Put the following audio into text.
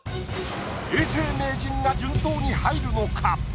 永世名人が順当に入るのか？